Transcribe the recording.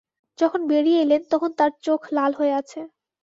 যখন বেরিয়ে এলেন, তখন তাঁর চোখ লাল হয়ে আছে।